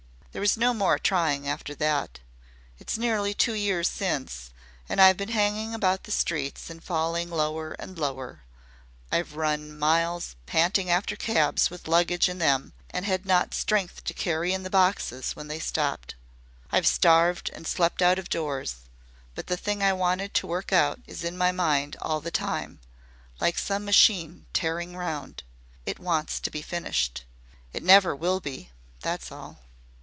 There was no more trying after that. It's nearly two years since, and I've been hanging about the streets and falling lower and lower. I've run miles panting after cabs with luggage in them and not had strength to carry in the boxes when they stopped. I've starved and slept out of doors. But the thing I wanted to work out is in my mind all the time like some machine tearing round. It wants to be finished. It never will be. That's all."